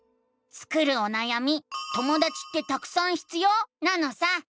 スクるおなやみ「ともだちってたくさん必要？」なのさ！